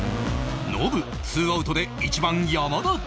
ノブツーアウトで１番山田哲人